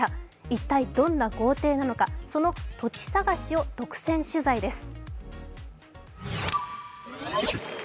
一体どんな豪邸なのか、その土地探しを独占取材です。